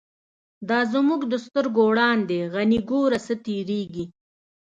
دا زمونږ د سترگو وړاندی «غنی» گوره څه تیریږی